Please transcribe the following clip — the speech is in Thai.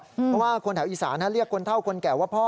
เพราะว่าคนแถวอีสานเรียกคนเท่าคนแก่ว่าพ่อ